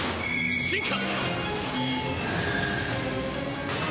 進化！